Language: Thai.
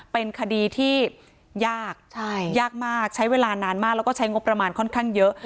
เป็นคดีที่ยากยากมากใช้เวลานานมากแล้วก็ใช้งบประมาณค่อนข้างเยอะ